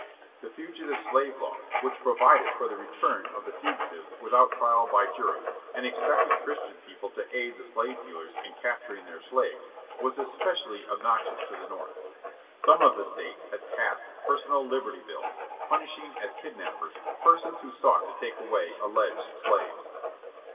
The Fugitive Slave Law, which provided for the return of the fugitives without trial by jury, and expected Christian people to aid the slave dealers in capturing their slaves, was especially obnoxious to the North. Some of the States had passed "Personal Liberty Bills," punishing as kidnappers persons who sought to take away alleged slaves.